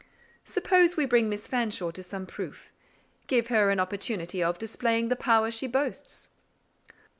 "Suppose we bring Miss Fanshawe to some proof. Give her an opportunity of displaying the power she boasts."